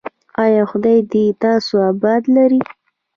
ایا خدای دې تاسو اباد لري؟